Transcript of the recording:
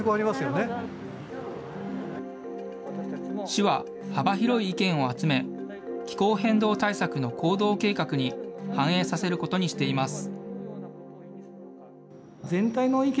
市は幅広い意見を集め、気候変動対策の行動計画に反映させることにしています。